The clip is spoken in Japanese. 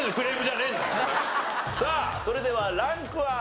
さあそれではランクは？